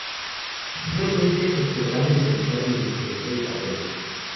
Posteriormente, sus funerales se realizaron en el Cementerio Católico.